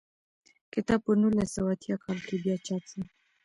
کتاب په نولس سوه اتیا کال کې بیا چاپ شو.